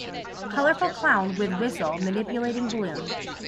Colorful clown with whistle manipulating balloon.